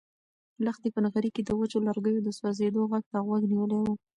لښتې په نغري کې د وچو لرګیو د سوزېدو غږ ته غوږ نیولی و.